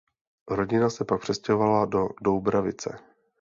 Rodina se pak přestěhovala do Doubravice.